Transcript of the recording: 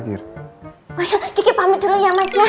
gigi pamit dulu ya mas